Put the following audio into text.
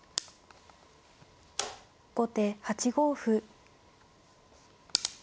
後手８五歩。